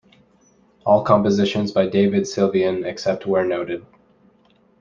All compositions by David Sylvian except where noted.